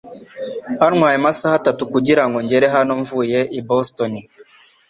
Byantwaye amasaha atatu kugirango ngere hano mvuye i Boston